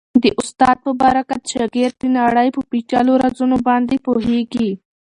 د استاد په برکت شاګرد د نړۍ په پېچلو رازونو باندې پوهېږي.